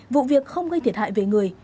vụ việc không gây thiệt hại về người